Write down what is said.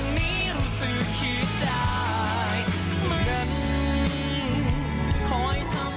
คอยทำไรเนี่ย